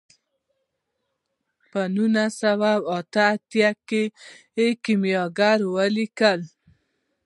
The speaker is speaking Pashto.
په نولس سوه اته اتیا کې یې کیمیاګر ولیکه.